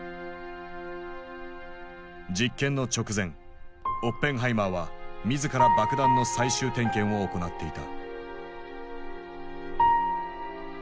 実験の直前オッペンハイマーは自ら爆弾の最終点検を行っていた。